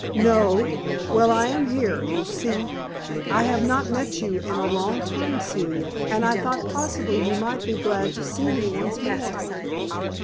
"No? Well, I am here, you see. I have not met you in a long time, Celia, and I thought possibly you might be glad to see me once more."